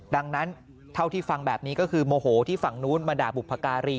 ดังนั้นเท่าที่ฟังแบบนี้ก็คือโมโหที่ฝั่งนู้นมาด่าบุพการี